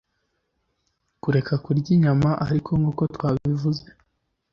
kureka kurya inyama Ariko nkuko twabivuze